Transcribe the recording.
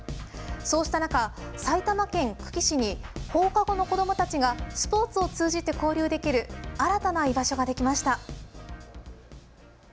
そうした中、埼玉県久喜市に放課後の子どもたちがスポーツを通じて交流できる新たな居場所ができました。